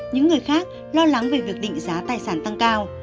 những người khác lo lắng về việc định giá tài sản tăng cao